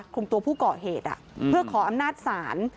กลุ่มตัวผู้ก่อเหตุเพื่อขออำนาจศาล